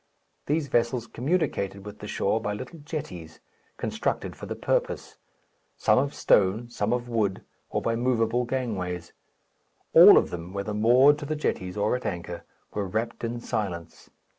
These vessels communicated with the shore by little jetties, constructed for the purpose, some of stone, some of wood, or by movable gangways. All of them, whether moored to the jetties or at anchor, were wrapped in silence.